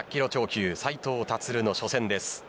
級斉藤立の初戦です。